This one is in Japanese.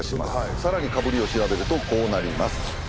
さらにかぶりを調べるとこうなります。